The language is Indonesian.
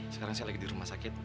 sekarang saya lagi di rumah sakit